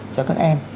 cho các em